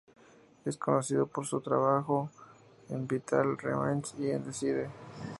Es conocido por su trabajo en Vital Remains y en Deicide.